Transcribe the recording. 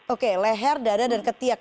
oke leher dada dan ketiak